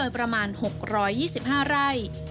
ประมาณ๖๒๕ไร่